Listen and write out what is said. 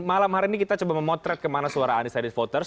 malam hari ini kita coba memotret kemana suara undecided voters